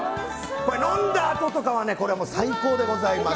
これ、飲んだあととかはね最高でございます。